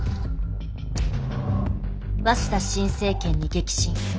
鷲田新政権に激震。